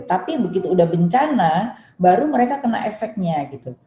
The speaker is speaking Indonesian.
tapi begitu udah bencana baru mereka kena efeknya gitu